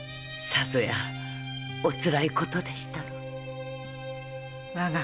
さぞやお辛いことでしたろう。